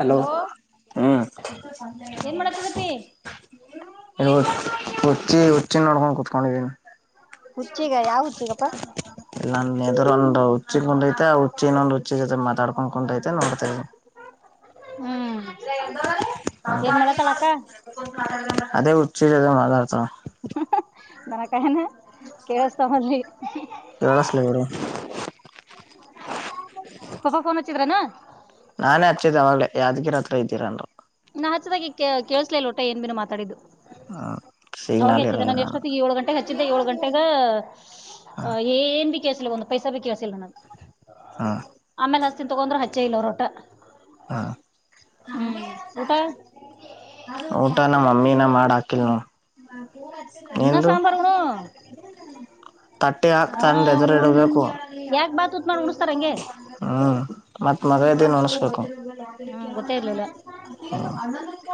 Hello ಏನ್ ಮಾಡತ್ತಿದಪ್ಪಿ ಹೂ ಿುಚ್ಚಿನ್ ನೋಡ್ಕೊಂಡು ಕುತ್ಕೊಂಡಿದ್ದೀಿ ಹುಚ್ಚಿಗ ಯಾವ ಹುಚ್ಚಿಗಪ್ಪಾ ಎದು್ರೊಂದು್ ಹುಿ ಕುೊಂಡ ೈತೆ ಆ ಹುಚ್ಚಿಿನ ಒಂದ್ ಹುಚ್ಚಿ ೈತೆ ಮಾತಾಡ್ಕೊಂಡ್ ಕು್ೈತೆ ನೋಡ್ತವಿ ಹ್ಮ್ ಏನ್ ಮಾಡತ್ತಳಕ್ಕ ಅದೇ ಉಚ್ಚ ಅ ಮಾ ನನ ಕನಾ ಕೆ ರತಲಿ ಕೇಳಸ್ಲಿ ಬಿಡು ಪಪ ಫೋನ್ ವಚ್ಚಿದ್ರಾನ ನಾನೇ ಹಚ್ಚಿದ್ದ ಅವಾಗಲ ಯಾದ್ಗಿರ ಹತ್ರ ಇದ್ದೀರಂದರು ನಾ ಹಚ್ಚದಾಗಿೆ ಕೇಳಸ್ಲೇಿಲ್ಲ ಒಟೆ ಏನ್ ಬಿಿನನು ಮಾತಾಡಿದ್ದು ಆ ಅವಾಗ ಹಚ್ಚಿದ್ದ ನಾನು ಎಷ್ಟೊತ್ತಿಗೆ ಏಳು ಗಂಟೆಗೆ ಹಚ್ಚಿದ್ದೆ ಏಳು ಗಂಟೆಗ ಹ್ಮ್ ಏನ್ ಸ ಒಂದು ಪೈಸಾ ಬ ಕಸಿಲ್ಲ ನಗೆ ಹಾ ಆೇಲೆ ಹಸ್ತಿಿನ ತಗೊಂಡ್ರೆ ಹಚ್ಚೆ ಇಲ್ಲ ರೊಟ ಹ ಊಟ ಟ ನ ಮ ಮೀನ ಮಾಡ ಹಾಕಲ್ ಅನ್ನ ನಿಂದು ಸಾಂಬಾರ್ ಉಣು ತಟ್ಟಿ ಹಾಕ್ ಹಾ ತಂಡ ಎದುರು ಇಡಬೇಕು ಯಾಕ್ ಬಾತ್ ಉತ್ ಮಾಡಿ ಉಣಸ್ತಾರ ಹಂಗೆ ಹ್ಮ್ ಮತ್ ಮಗ ಇದದೇನ್ ಅನ್ಸ್ಬೇಕು ಹ್ಮ್ ಗೊತ್ತೇ ಇರ್ಲಿಲ್ಲ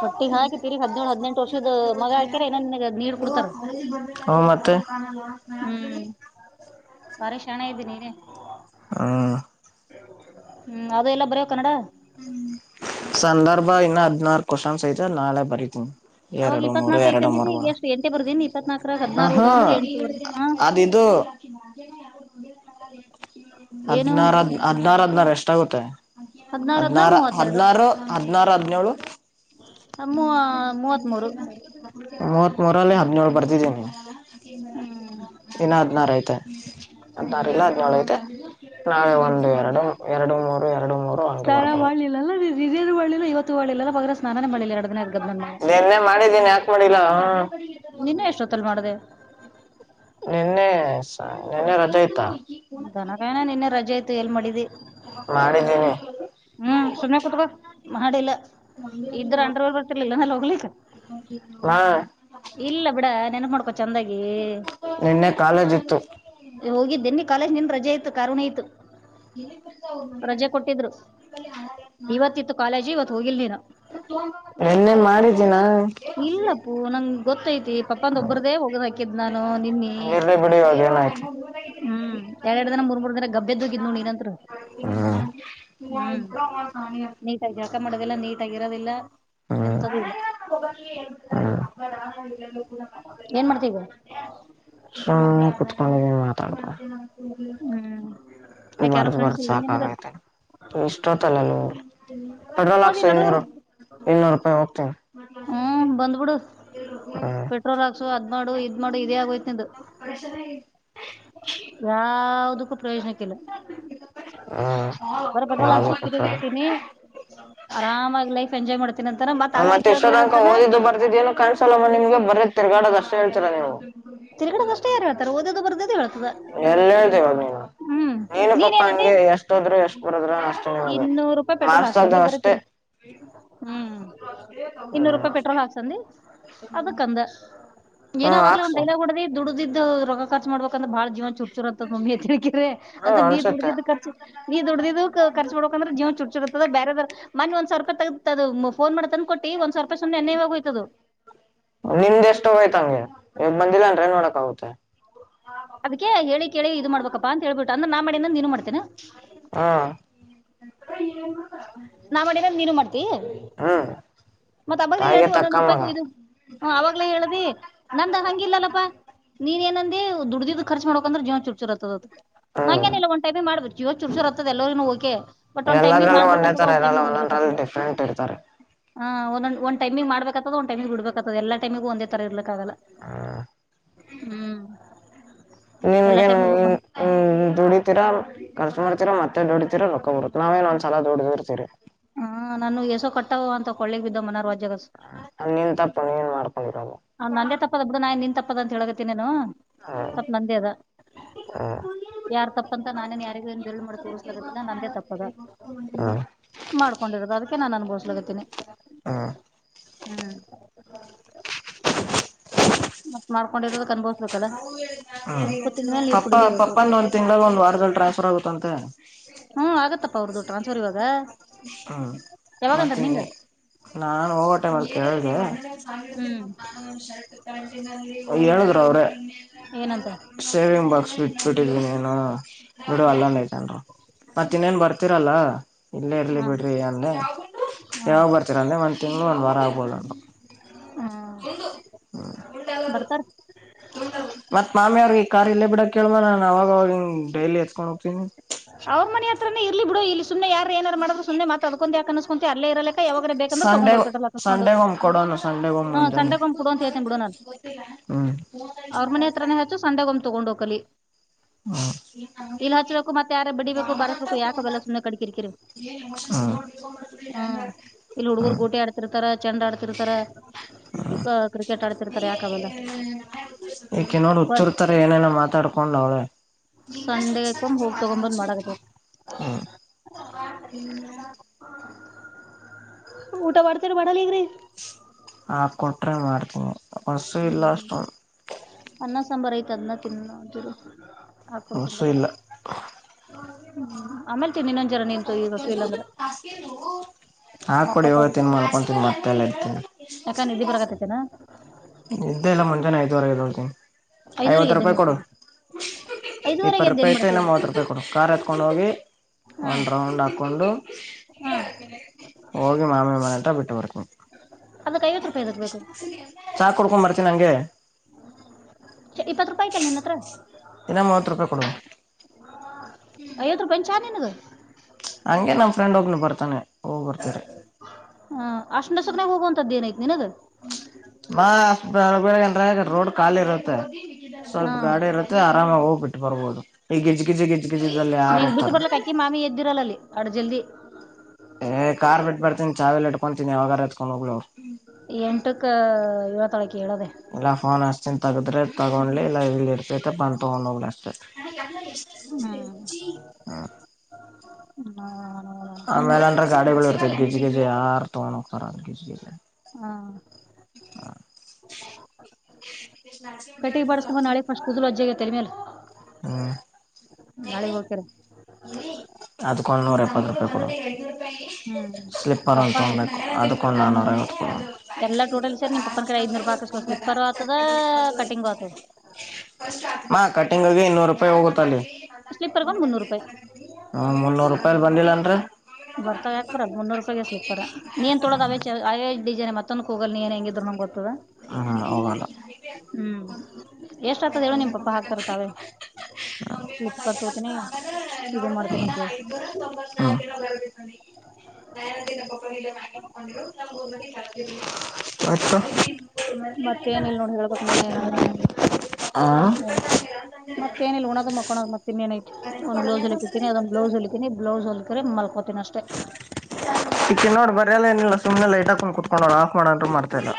ತೊಟ್ಟಿಗ್ ಹಾಕಿ ತಿರ್ಗಿ ಹದ್ನೇಳ್ ಹದ್ನೆಂಟ್ ವರ್ಷದ್ ಮಗಾ ಆಕ್ಯಾರ ಇನ್ನ ನಿನಗ ನೀರ್ ಕೊಡ್ತಾರ. ಹೌ ಮತ್ತೆ ಹ್ಮ್ ಬಾರಿ ಶ್ಷಣ ಇದ್ದೀನಿ ಹ ಹ್ಮ್ ಅದ ಎಲ್ಲ ಬರವ ಕನ್ನಡ ಸಂದರ್ಭ ಇನ್ನ ಹದ್ಿನಾರು ಕ್ವಶನ್ಸ್ ಐತ ನಾಳೆ ಬರೀತೀನಿ ಅವಾಗ ಎರಡು ಮೂರು ಇಪ್ಪತ್ನಾಕ್ ಐತಿ ಎರಡು ಅಂದಿದ್ದಿ ಮೂರ್ರುವ ಈಗ ಎಷ್ಟ್ ಎಂಟೆ ಬರ್ದೇನ್ ಇಪ್ಪತ್ನಾಕರಾಗ ಹದ್ನಾರ್ ಆಹ ಉಳ್ದಾವ್ ಅಂದ್ರ ಎಂಟ್ ಬರ್ದಿ ಹಾ ಅದ ಇದು ಏನು ಹದಿನಾರ ಹದಿನಾರ ಹದಿನಾರಷ್ಟ ಟಾಗತ್ತಾಯ ಹದಿನಾರ ಹದ್ಿನಾರು ಹದಿನಾರು ಹದಿನಾರು ಹದಿನೇಳು ಮೂ~ ಮೂವತ್ಮೂರು ಮದ ಮರಲ್ಲಿೆ ಹಾದ ನ ಪ ೀನಿ ಹ್ಮ್ ಇನ್ನ ಹದ್ಿನಾರು ಐತೆ ಹದ್ಿನಾರ ಹ್ಮ್ ಇಲ್ಲ ಹದಿನೇಳು ಐತೆ ನಾಳೆ ಒಂದು ಎರಡು ಎರಡು ಮೂರು ಎರಡು ಮೂರು ಹಂಗೆ ಸರ ಬರ್ಕೊಂಡು ಹೋಗ್ತೀವಿ ಮಾಡಲಿಲ್ಲಲ್ಲ ಹಿರಿರುರ್ಲಿಲ್ಲ ಇವತ್ತುಲಿಲ್ಲಲ್ಲ ಪ ನಿನ್ನೆ ಮಾಡಿದ್ದೀನಿ ಯಾಕ್ ಮಾಡಿಲ್ಲ ನಿನ್ನ ಎಷ್ಟೊತ್ತಲ್ ಮಾಡ್ದ ನಿನ್ನೆ ನಿೆನ್ನೆ ರಜಾಯ್ತಾ ಗನಗಾಯಣ ನಿನ್ನೆ ರಜೆ ಆಯ್ತು ಎಲ್ ಮಾಡಿದ್ದಿ ಮಾಡಿದ್ದೀನಿ ಹ್ಮ್ ಸುಮ್ನೆ ಕುೂತ್ಕ ಮಡಿ ಇಲ್ಲ ಇದ್ರ ಅಂಡ್ರ ಬರ್ತಿರ್ಲಿಲ್ಲ ನ ಹೋಗ್ಲಿಕ್ಕೆ ಹಾ ಇಲ್ಲ ಬಿಡ ನೆನ್ ಚಂದಗಿ ನಿನ್ನೆ ಕಾಲೇಜ್ ಇತ್ತು ಹೋಗಿದ್ದೆನ್ನಿ ಕಾಲೇಜ್ ನಿನ್ ರಜೆ ಆ್ತು ಕರುಣೆ ಆ್ತು ಎಲ್ಲಿ ಅವ ಇವತ್ತಿತ್ತು ಕಾಲೇಜ್ ಇವತ್ ಹೋಗಿಲ್ಲ ನೀನು ಎೆ ಮಾಡ ಇಲ್ಲಪ್ಪೂ ನಂಗ ಗೊತ್ತೈತಿ ಪಪ್ಪಂದ ಒಬ್ಬ್ರ್ದೇ ಹೋಗದ್ ಹಾಕಿದ್ ನಾನು ನಿನ್ನಿ [unintelligible] ಹ್ಮ್ ಎರ ಎರಡು ದಿನ ಮೂರ್ ಮೂರು ದಿನ ಗಬ್ಬೆದ್ದು ಕಣ ನಂತ ಹ್ಮ್ ಹ್ಮ್ ನೀತ ಚಕ್ಕ ಮಾಡೋದಿಲ್ಲ ನೀಟ್ ಆಗಿರೋದಿಲ್ಲ ಎಂತದ ಇಲ್ಲ ಏನ್ ಮಾಡ್ತೀಗ ಹಾ ಹ ಕುತ್ಕೊಂಡ ಹ್ಮ್ [unintelligible] ಯಾಕೆ ಯಾರೋ ಬರ್ದ್ ಫ್ರೆಂಡ್ಸ್ ಬರತ್ ಇಲ್ಲ ನಿನಗ ಸಾಕಾಗೈತ ಇಷ್ಟ ಹೊತಲ್ಲ ನೀ. [unintelligible] ಪ ಹೋಗ್ತೀನಿ. ಹ್ಮ್ ಬಂದ್ಬಿಡು ಹ್ಮ್ ಪೆಟ್ರೋಲ್ ಹಾಕ್ಸು ಅದ್ ಮಾಡು ಇದ್ ಮಾಡು ಇದೇ ಆಗೋಯ್ತು. [unintelligible] ಯಾದಕ್ಕೂ ಪ್ರಯೋಜನಕ್ಕಿಲ್ಲ. ಹ್ಮ್ ಬರ ಪೆಟ್ರೋಲ್ ಯಾವ್ದು ಕೊಟ್ರ ಹಾಕ್ ತೀನಿ ಆರಾಮಾಗ ಲೈ ಎಂಜಾಯ್ ಮಾಡ್ನಿ ಅಂತ ಮತ್ತತ್ ಆ ಅಷ್ಟ ತನಕ ಓದಿದ್ದು ಬರ್ತಿದ ಏನು ಕಾನ್ಸ್ ಲ್ಲಮ್ಮ ನಿಮಗೆ ಬರೀತ್ತ ತಿರ್ಗಡೋ ಅಷ್ಟ ಹೇಳ್ತೀರಾ ನೀವು. ತಿರುಗಡದ ಅಷ್ಟೇ ಯಾರು ಹೇಳ್ತಾರ ಓದೋದು ಬರ್ದದು ಹೇಳ್ತದ ಎಲ್ಲವ ನೀ. ಹ್ಮ್ ನೀನು ನೀನ್ ಪಾಪ ಏನಂದಿ ಹಂಗೆ ಎಷ್ಟ ಹೋದ್ರು ಎಷ್ಟ್ ಬರದ್ರ ಅಷ್ಟೇನೆ ಅ ಇನ್ನೂರು ರೂಪಾಯಿ ಪೆಟ್ರೋಲ್ ಹಾಕ್ಸು ಮಾರ್ಸೋದ ಅಂದಿ ಬರೀ ಅಷ್ಟೇ. ತಿರ್ಗಿ ಹ್ಮ್ ಇನ್ನೂರು ರೂಪಾಯಿ ಪೆಟ್ರೋಲ್ ಹಾಕ್ಸಂದಿ ಅದಕ್ ಅಂದ. ಹ್ಮ ಅಕ್ಷ. ದುಡಿದ್ದ ರೋಗ ಕಾಚ್ ಮಾಡಬೇಕಂದ್ರ ಬಾಳ ಜೀವನ ಚುಟ್ಟ. ರುತ್ತದ ಮಮ್ಮಿ ತಿಕಿರಿ ಹ್ಮ ಅಂತ ನೀ ಅನ್ಸುತ್ತೆ ದುಡ್ದಿದ ಖರ್ಚ್ ನೀ ದುಡ್ದಿದು ಖರ್ಚು ಮಾಡಬೇಕ ಅಂದ್ರ ಜೀವನ ಚೂರ್ ಚುರ್ ಬೇರೆ. ಮನ್ ಒಂದ್ [inaudible] ಫೋನ್ ಮಾಡ. [inaudible] ನಿಮ್ದ ಎಷ್ಟೋಯ್ತಂಗೆ. ಬಂದಿಲ್ಲ ಅಂದ್ರೆ ಏನ್ ನೋಡಕ್ ಆಗುತ್ತೆ. ಅಂದ ನಾ ಮಾಡಿಂದಂದ ನೀನು ಮಾಡ್ತೇನೆ. ಹಾ ನಾ ಮನ ನೀನು ಮಾಡ್ತೀ. ಹ್ಮ್ ಮತ್ತ ಹಬ್ಬ ತಾಯಿಗೆ ಹೇಳಿದಿ ತಕ್ಕ ಒಂದೊಂದು ಮಗ ರೂಪಾಯಿಗೂ ಇದು. ಹ ಅವಾಗ್ಲೇ ಹೇಳುದಿ ನಂದ ಹಂಗಿಲ್ಲಲ್ಲಪ್ಪಾ ನೀನ್ ಎನ್ ಅಂಧ್. ದುಡಿದ ಖರ್ಚ ಮಾಡಕ ಅಂದ್ರ ಜೀವನ ಚುಚುರತದ ಹ್ಮ್ ಅದುಂಗನ ಎಲ್ಲ ಒಂದ ಟೈಮೇ ಮಾಡ್ಬೇಕು. ಜೀ ಚುರುಸಿರ್ತ್ತತದ ಎಲ್ಲೂ ಓಕೆ ಬಟ್ ಒಂದ್ ಟೈಮ್ ಗೆ ಎಲ್ಲದ್ರಲ್ಲೂ ಮಾಡ. ಒಂದೇ ಬಿಡ್ಬೇಕತದ [inaudible] ತರ ಒಂದ್ ಇರಲ್ಲ ಟೈಮಿಗೆ ಒಂದೊಂದ್ರಲ್ಲಿ ಬಿಡ್ಬೇಕಾಗತದ ಡಿಫ್ರೆಂಟ್ ಇರ್ತಾರೆ ಹಾ ಒಂದ ಒಂದ ಟೈಮಿಗೆಬೇಕತ ಒ ಟೈಮಿಗೆ ಬಿಡ್ಬೇಕತದ ಎ ಟೈಮಗ ಒಂದ ತರ ಇರಲ್ಲ. ಲ್ಲ ಹ್ಮ್ ಹ್ಮ್. ಎಲ್ಲಾ ನಿಮನ್ಗೆನ್ ಟೈಮಿಗೂ ದುಡಿತೀರ ಕೆಲ್ಸ ಮಾಡ್ತೀರಾ ಮತ್ತ. ಮ ದೋಡಿತೀರ ನೊಕ್ಕೊರುತ್ ನಾವೇಏನ್ ಒಂದ್ಸಲ ದುಡಿದಿರ್ತೀರಿ ಹಾ ನಾನು ಏಸೋ ಅಂತ ಕೊಳ್ಳೇ ಬಿದ್ದವರ ಮನ. ರೋಜಗಸ್ ನ್ ತಪ್ಪ. ಆ ನಂದೇ ತಪ್ಪದ ಬಿಡ ನಾನ್ ನಿನ್ ತಪ್ಪದ ಅಂತ ಹೇಳಕತನೇನು ಹ್ಮ್ ಸ್ವಲ್ ನಂದೇ ಅದ. ಹ್ಮ್ ಯಾರ್ ತಪ್ಪಂತ ನಾನೇನ್ ಯಾರಿಗ ಏನ್ ಳ ಮಾಡ ತೋಸ್ಗತ್ತಿಲ್ಲ ನಂದೇ ತಪ್ಪದ. ಹ್ಮ್ ಮಾಡ್ಕೊಂಡಿರದು ಅದಕ್ಕೆ ನಾನು ಅನ್ಭವಸ್್ಲೋಗತೀನಿ ಹ್ಮ್ ಹ್ಮ್. ಮತ್ತ ಮಾಡ್ಕೊಂಡಿರೋದು ಅನ್ಬೋ. ಹ್ಮ ಪಪ್ಪಾ ಕುಡಿಲೇಬೇಕು ಪಪ್ಪಂದ ಒಂದ್ ತಿಂಗಳಾಗ ಒಂದ್ ವಾರದಲ್ಲಿ ಟ್ರಾನ್ಸ್ಫರ್ ಆಗುತ್ತಂತೆ. ಹ್ಮ್ ಆಗತ್ತಪ್ಪ ಅವ್ರದ್ದು ಟ್ರಾನ್ಸವರ್ ಇವಾಗ ಯಾವಾಗಂದ್ರ ನಿಂಗ. ನಾನ್ ಹೋಗ ಟೈಮಲ್ಲಿ. [inaudible] ಹ್ಮ್ ಗೆ ಹೇಳುದ್ರ ಅವ್ರೆ. ಏನಂತ ಸೇವಿಂಗ್ ಬ [unintelligible] ಬಿಟ್ಬಿಟ್ಟಿದನೇನು ಬಿಡು ಅಲ್ಲನ್ಐತನ್ರು ಮತ್ತ ಇನ್ನೇನ್ ಬರ್ತರಲ್ಲ. ಇಲ್ಲೇ ಇರಲಿ ಹಾ ಬಿಡ್ರಿ ಅಂದರೆ ಹಾ ಯಾವಾಗ ಬರ್ತೀರ ಅಂದರೆ ಒಂದು ತಿಂಗ್ಗಳು ಒಂದು ವಾರ ಆಗ್ಬೋಲ್ಲ್. [inaudible] ಬರ್ತಾರೆ. ಮತ್ ಮಾಮಿ ಅವ್ರಿಗೆ ಈ ಕಾರ್ ಇಲ್ಲೇ ಬಿಡಕ್ ಕೇಳಬ ನಾನು ಅವಾಗ ಅವ ಡೈಲಿ ಎತ್ಕೊಂಡ್ ಹೋಗ್ತೀನಿ. ಅವ್ ಮನಿ ಹತ್ರನನೆ ಇರ್ಲಿ ಬಿಡು ಇಲ್ಲಿ ಸು್ನೆ ಯಾರು ಏಾರ ಮಾಡ್ರು ಸುಮ್ಮನೆ ಮಾತ್ರ ಅದು ಕೊಂಧ್ ಯಾಕ. ಅನಸ್ಕೊಂತಿ ಅಲ್ಲೇ ಇರಲಕ್ಕ ಯಾವಾಗರ ಬೇಕಂದ್ರ ಸಂಡೆ ತಗೊಂಡ್ ಹೋಗ್ ಪೆಟ್ರೋಲ್ ಹಾಕಸ್ಕೊಂಡು ಸಂಡೆ ಒ ಕೊಡೋನು ಸಂಡೆಗ ಹ್ಮ್ ಮುಂಜನ. ಸಂಡೆಗೊಮ್ಮೆ ಕೊಡು ಅಂತ ಹೇಳ್ತೇನ್ ಬಿಡು ನಾನ್ ಗೊತ್ತಿಲ್ಲಾ ಅವ್ರ ಮನಿ ಹತ್ರನೇ ಹಚ್ಚು ಸಂಡೆಗೊಮ್ಮೆ ತಗೊಂಡ್ ಹೋಕಲಿ [unintelligible] ಮತ್ತ ಯಾರ ಬಿಡಿಬೇಕು ಬಾರಸ್ಬೇಕು ಯಾಕ ಅವೆಲ್ಲಾ ಸುಮ್ಮನೆ ಕಿರಿಕಿರಿ ಹ್ಮ್ ಇಲ್ಲಿ ಹುಡ್ಗರು ಹ್ಮ್ ಗೋಟೆ, ಆಡ್ತಿರ್ತಾರ, ಚಂಡ್ ಆಡ್ತಿರ್ತಾರ ಕ್ರಿಕೆಟ್ ಆಡ್ತಿರ್ತಾರ, ಯಾಕ ಅದು ಏ ಕೆಲವರ್ ಹುಚ್ಚಿರ್ತಾರ ಏನೇನೋ ಮಾತಾಡ್ಕೊಂಡ್ ಅವರೇ ಸಂಡೆಗೊಮ್ಮೆ ಹೋಗಿ ತಗೊಂಡ್ ಬಂದ್ ಮಾಡಾಕತ್ತೇವ್ [unintelligible] ಹೂ ಊಟ ಮಾಡತರಿ ಮಾಡಲ್ ಈಗ್ರಿ ಹಾ ಕೊಟ್ರೆ ಮಾಡ್ತ ಹ್ಮ್ ಅನ್ನ ಸಾಂಬಾರ ಐ. ತನ್ನ ತಿನ್ನ ಹಾಡ್ ಹಸು ಇಲ್ಲ ಆ. [unintelligible] ಹಾಕ ಕೊಡಿ ಇವ ತಿಂದ ಮಲಕೋಡ್ತೀನಿ ಮತ್ತೆಲ್ಲೆ ಯಾಕೆ ನಿದ್ದಿ ಬರಕತೈತೆನ ಇದ್ದೆ ಎಲ್ಲ ಮುಂಜಾನೆ ಆಯ್ತುವರ ಇದೋನ್ ಐದೂರೆಗ ಎದ್ದನ [unintelligible] ಇಪ್ಪತ್ತು ರೂಪಾಯಿ ಐತೆ ಇನ್ನ ಮೂವತ್ತು ರೂಪಾಯಿ ಕೊಡು ಕಾರ್ ಎತ್ಕೊಂಡುಹೋಗಿ ಹಾ ಒಂದ್ ರೌಂಡ್ ಹಾಕೊಂಡು ಹಾ ಹೋಗಿ ಮಾಮಿ ಮನೆ ಹತ್ರ ಬಿಟ್ಟ ಅದಕ್ ಐವತ್ ರೂಪಾಯಿ ಎದಕ್ ಬೇಕು ಚಾ ಕುಡುಕೊಂಡು ಬರ್ತೀನಿ ಹಂಗೆ ಇಪ್ಪತ್ತು ರೂಪಾಯಿ ಇತ್ತಲ ನಿನ್ನ ಹತ್ತಿರ ದಿನ ಮೂವತ್ ರೂಪಾಯಿ ಕೊಡು ಐವತ್ತ ರೂಪಾಯಿ ಚಾ ನಿನಗ ಹಂಗೆ ನಮ್ ಫ್ರೆಂಡ್ ಒಬ್ಬನು ಬರ್ತಾನೆ ಹೋಗ್ ಬರ್ತಾರೆ ಹ ಅಷ್ಟ ಮಸಕ್ನಾಗ ಹೋಗುವಂತದ್ದೇ ಏನ ಐತಿ ನಿನಗ ಮ ಬೆಳ ಬೆಳಗನ್ ರೋಡ್ ಖಾಲಿ ಇರುತ್ತೆ ಹಾ ಸ್ವಲ್ಪ ಗಾಡಿ ಇರುತ್ತೆ ಆರಾಮ ಹೋಗ್ಬ ಬಿಟ್ಟು ಬರ್ಬೋದು ಈಗ ಗಿಜು ಗಿಜ ಗಿಜ್ ಗಿಜಿದಲ್ಲಿ ಯಾರು ನೀಂಗ ಬಿಟ್ಟ ಹೋಗ್ತಾರ ಬರ್ಲಕ್ ಅಕಿ ಮಾಮಿ ಎದ್ದಿರಲ್ಲ ಅಲ್ಲಿ ಅಟ್ ಜಲ್ದಿ ಚೆಲ್ ಇಟ್ಕೊಂತನಿ ಯಾವಾಗರ ಹತ್ಕೊಂಡ ಹೋಗ್ ಅವ್ ಎಂಟಕ್ಕ ಏಳ ತಾಳಕೀ ಏಳದೆೇ ತಗೊಂಡ್ರೆ ತಗೋಳಿ ಇಲ್ಲಿ ಇಡುತ್ತಾ ಹ್ಮ್ [unintelligible] [inaudible] ಹಾ ಆಮೇಲೆ ಅಂದ್ರೆ ಗಾಡಿಗಳು ಇರ್ತದೆ ಗಿಜ್ಜಿ ಗಿಜ್ಜಿ ಯಾರ್ ತಗೋ [unintelligible] ಕಟ್ಟಿಗ ಮಾಡಿಸ್ಕೊಂಡ್ ಬಾ ನಾಳೆ ಫಸ್ಟ್ ಕೂದಲು ವಜ್ಜಿಆಗ್ಯಾವ ತೆಲಿಮ್ಯಾಲ ಹ್ಮ್ ನಾಳಿಗ್ ಹೋಗಕರೇ ಅದ್ಕೊಂದು ನೂರ ಎಪ್ಪತ್ತು ರೂಪಾಯಿ ಕೊಡ ಹ್ಮ್ ಸ್ಲಿಪ್ಪರ್ ಒಂದ ಪಪ್ಪಾ ತಗೋಡೆನೆ ಅದಕೊಂದ ನಾನೂರಾಐವತ್ ಎಲ್ಲಾ ಟೋಟಲ್ ಸೆರಿ ನಿಮ್ಮ ಪಪ್ಪನ ಕಡೆ ಐನೂರು ಹಾಕುಸಕೊ ಮಾ ಕಟ್ಟಿಂಗ್ ಇ ನೂರು ರೂಪಾಯಿ ಹೋಗುತ್ತ ಅಲ್ಲಿ ಸ್ಲೀಪರ್ಗನ್ ಮುನ್ನೂರು ರೂಪಾಯಿ ಹ್ಮ ಮುನ್ನೂರ್ ರೂಪಾಯಲ್ ಬಂದಿಲ್ಲ ಅಂದ್ರ ಬರ್ತಾವ ಯಾಕ ಬರಲ್ಲ ಮುನ್ನೂರು ರೂಪಾಯಗೆ ಸ್ಲಿಪ್ತರ್ ನೀನ್ ತೊಳದ ಅವೇ ಅವೇ ಡಿಜೆನ್ ಮತ್ತೊಂದಕೋಗಲ್ ನೀನ್ ಹೆಂಗಿದ್ ನಗೆ ಗೊ ಹ ಹೋಗಲ್ಲಾ ಹ್ಮ್ ಎಷ್ಟ ಆತದ ಹೇಳು ನಿಮ ಪಾಪ ಹಾಕ್ತಾರ ತಾವೇ ಆ ಸ್ಲಿಪ್ಪರ್ ತೋತೀನಿ ನೋಡ ಇದು ಮಾಡ್ತೀನಿ ಇ ಅಂತ ಹೇಳು ಐನೂರ ತೊಂಬತ್ [inaudible] [unintelligible] [unintelligible] ಮತ್ತೇನ ಇಲ್ ನೋಡ ಹೇಳ್ಬೇಕ್ ನೀನ ಏನಾದ್ರು ಆ ಹೌದ ಮತ್ತೇಏನಿಲ್ಲ ಉಣದು ಮಕ್ಕೊಳದ ಮತ್ತ ಇನ್ನೇನ ಒಂದ್ ಬ್ಲೌಸ್ ಹೋಲಿಕತೀನಿ ಅದೊಂದ್ ಬ್ಲೌಸ್ ಹೊಲಿತೀನಿ ಬ್ಲೌಸ್ ಹೊಲದಕ್ರೆ ಮಲ್ಕೋತೀನಿ ಅಷ್ಟೇ ತಿ ನೋಡ್ ಬರಯಲ್ಲ ನಿಲ್ಲ ಸು್ನೆ ಲೈಟ್ಾಕೊಂಡು ಕುತ್ಕೊಂಡೋ್ ಆಫ್ ಮಾಡೋ್ರು ಮಾಡತ ಇಲ್ಲ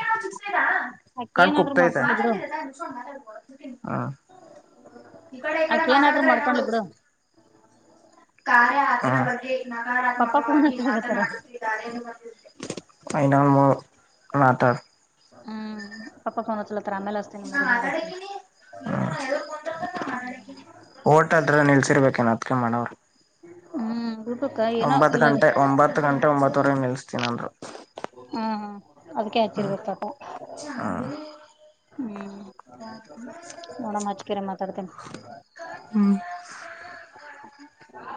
ಆಕಿ ಕಣ್ ಏನಾದ್ರು ಕುಕ್ತಾತೇ ಮಾಡ್ಕೊಂಡ್ಲಿ ಬಿಡು ಹಾ ಈ ಕಡೆ ಈ ಕಡೆ ಆಕಿ ಏನಾದ್ರು ಮಾತಾಡಿದ್ರೆ ನೋಡು ಮಾಡ್ಕೊಂಡ್ಲಿ ಬಿಡು ಕಾರ್ಯ ಆತ್ನ ಬಗ್ಗೆ ಪಪ್ಪಾ ಫೋನ್ ನಕಾರಾತ್ಮಕವಾಗಿ ಹಚ್ಚಲಕತ್ತಾರ ಮಾತನಾಡುತ್ತಿದ್ದಾರೆ ಎಂದು ಗಂದ ನ ಮೂ ನಾಟರ್ ಹೂ ಪಪ್ಪಾ ಫೋನ್ ಅಚ್ಚ ಓಟದ್ರ ನಿಲ್ಸಿರ್ಬೇಕು ಹ್ಮ್ ಊಟಕ್ಕ ಏನೋ ಒತ್ ಇಲ್ಲದ ಗಂಟೆ ಒ ಗಂಟೆ ಒಂಬತ್ತುವರೆ ನಿ [unintelligible] ಹೂ ಹೂ ಅದ್ಕೆ ಹಚ್ಚಿರ್ ಗತ್ತಪ್ಪ ಹೂ ನೋಡ ಅಚಿಕರೆ ಮಾತಾಡ್ತೇನೆ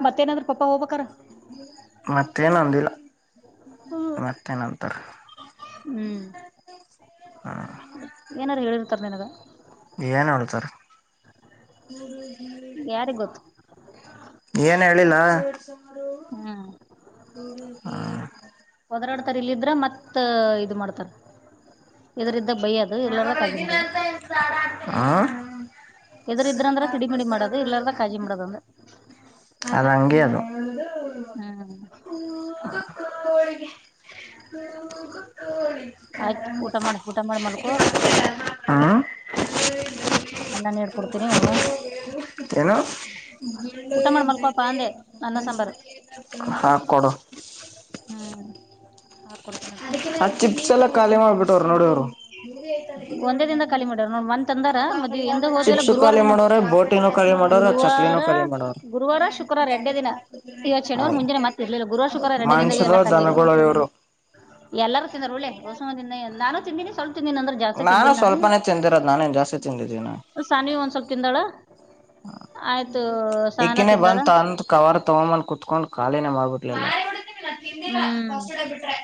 ಮತ್ತೇನಾದ್ರ ಪಾಪ ಹೋಗ್ಕ ಮತ್ತೇನೊಂದಿಲ್ಲ ಮತ್ತೇನಂತಾರ ಹೂ ಏನಾರು ಹೇಳಿರ್ತರ್ ನಿನಗ ಏನ್ ಹೇಳ್ತಾರಾ ಯಾರಿಗ್ ಗೊತ್ತು ಏನ್ ಹೇಳಿಲ್ಲ ಹ್ಮ್ ಹ ಇದ್ರ ಮ ಇ ಮಾಡ್ತ ಇದ ಯಾಗ ಇದಂತ ಎದ್ರ ಇದ್ರಂದ್ರ ಸಿಡಿಮಿಡಿ ಮಾಡೋದು ಇಲ್ಲಾರದ ಕಾಜಿ ಮಾಡದಂದ ಅದಂಗೇ ಅದು ಹೂ ಕೋಳಿಗೆ ಕೋಗೋ ಕೋಳಿ ಕರ ಆಯ್ತ್ ಊಟ ಮಾಡ ಊಟ ಮಾಡಿ ಮಲ್ಕೋ ಮಸಾಲೆ ಹಾ ಅ್ಣನ್ ಹೇಡ್ಕೊಡ್ತೀರಿ ಉಣ್ಣು ಏನು ಮಾಡಿ ಮಲ್ಕೋಪಾ ಅಂದೆ ಅನ್ನ ಸಾಂಬಾರ್ ಹಾ ಕೊಡು ಹ್ಮ್ ಹಾಕಿ ಕೊಡ್ತೇನಂತ ಆ ಚಿಪ್ಸ್ ಎಲ್ಲ ಖಾಲಿ ಮಾಡ್ಬಿಟ್ಟವ್ರರು ನೋಡಿ ಒಂದೇ ದಿನದಾಗ ಖಾಲಿ ಮಾಡ್ಯಾರ ನೋಡ್ ಮನ್ನಿ ತಂದಾರ ಮದ್ವಿ ಇಂದ ಹೋದ್ವಿಯಲ್ಲ ಗುರುವಾರ ಚಿಪ್ಸುಕ್ಕಾಲಿ ದಿನ ಮನೋರ ಬೋಟಿಂಗ ಮಾಡ ಚಕ್ಲಿ ಗುರುವಾರ ಕಾಳೀ ಮಾಡವ್ರೇ ಗುರುವಾರ ಶುಕ್ರವಾರ ಎರಡೇ ದಿನ ಇವತ್ತ್ ಶನಿವಾರ ಮುಂಜಾನೆ ಮತ್ತ್ ಇರ್ಲಿಲ್ಲ ಗುರುವಾರ ಮನುಷ್ಯರು ಏನ್ ದನಗಳು ಇವ್ರು ಎಲ್ಲಾರೂ ತಿಂದರು ಉಳ್ಳೆ ಸುಮ ತಿಿಂದ ನಾನು ತಿಂದಿನಿ ಸ್ವಲ್ಪ ತಿಂದಿನಿ ಅಂದ್ರ ಜಾಸ್ತಿ ನಾನು ತಿಂದಿಲ್ಲ ಸ್ವಲ್ಪನೇ ತಿಂದಿರೋದ್ ನಾನೇನ್ ಜಾಸ್ತಿ ತಿಂದಿದ್ದೀನ ಸಾನಿ ಒಂದ್ ಸ್ವಲ್ಪ ತಿಂದಳ ಇಕಿನೇ ಬಂತ ಅಂತ ಕವಾರ ತಗೊಂಬನ್ ಕುೂತ್ಕೊಂಡ್ ಖಾಲಿನೇ ಮಾಡ್ಬಿಟ್ಲಿಲ್ಲ ನಾ ತಿಂದರ ಹ್ಮ್ ಫಸ್ಟ್ ಡೇ ಬಿಟ್ರೆ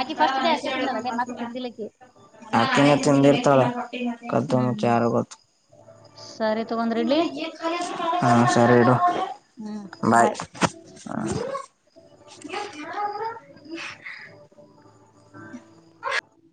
ಆಕಿ ಫಸ್ಟ್ ಡೇ ಅಷ್ಟೇ ತಿಂದಾಳ ಅಲ್ಲೇ ಮತ್ತ್ ತಿಂದಿಲ್ಲ ಆಕಿ ಆ ತಿಿನ ತಿಿಂದಿರ್ತಾಳ ಕದ್ದು ಮುಚ್ಚಿ ಹ್ಮ್ ಯಾರಿಗ ಗೊತ್ತು ಸರಿ ತಗೊಂಡ್ರಿ ಇಡ್ಲಿ ಹಾ ಸರಿ ಇಡು ಹ್ಮ್ ಬೈ ಬಾಯ್ ಹ್ಮ್. [inaudible]